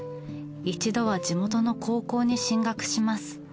一度は地元の高校に進学します。